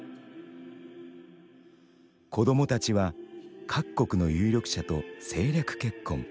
子どもたちは各国の有力者と政略結婚。